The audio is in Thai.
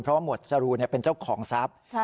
เพราะหมวดจรูนเป็นเจ้าของทรัพย์